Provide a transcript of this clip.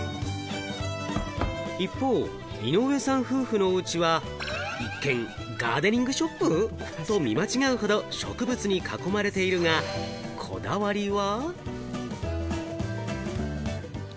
一方、井上さん夫婦のおうちは、一見ガーデニングショップ？と見間違うほどの植物に囲まれているが、こだわりは。